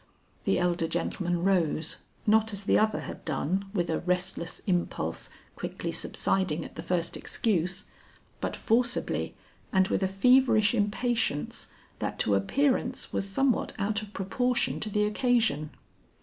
The elder gentleman rose, not as the other had done with a restless impulse quickly subsiding at the first excuse, but forcibly and with a feverish impatience that to appearance was somewhat out of proportion to the occasion.